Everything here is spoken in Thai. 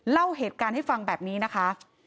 เล่าเหตุการณ์ให้ฟังแบบนี้นะคะ